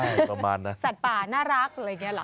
สัตว์ป่าน่ารักอะไรอย่างนี้เหรอ